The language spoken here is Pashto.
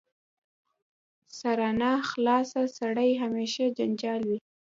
سرناخلاصه سړی همېشه جنجالي وي.